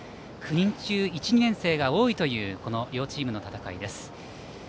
９人中１、２年生が多いという両チームの戦いです。